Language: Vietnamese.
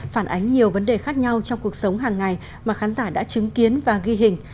phản ánh nhiều vấn đề khác nhau trong cuộc sống hàng ngày mà khán giả đã chứng kiến và ghi hình